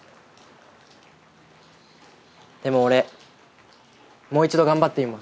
でも俺もう一度頑張ってみます。